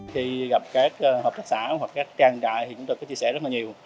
khi gặp các hợp tác xã hoặc các trang trại thì chúng tôi có chia sẻ rất là nhiều